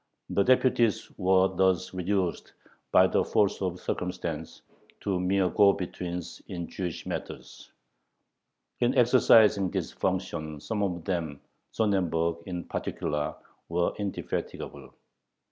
The deputies were thus reduced, by the force of circumstances, to mere go betweens in Jewish matters. In exercising this function, some of them, Sonnenberg in particular, were indefatigable.